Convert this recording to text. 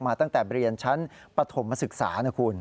ตั้งแต่เรียนชั้นปฐมศึกษานะคุณ